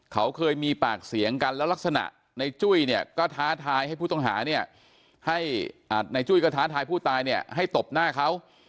เขาเคยมีปากเสียงกันและลักษณะในจุ้ยก็ท้าทายผู้ตายให้ตบหน้าเขา